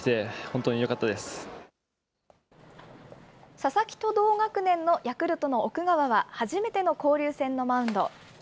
佐々木と同学年のヤクルトの奥川は、初めての交流戦のマウンド。